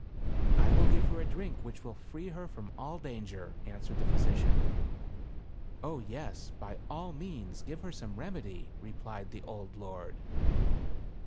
" I will give her a drink which will free her from all danger," answered the physician. " 0, yes ! by all means give her some remedy," replied the old lord.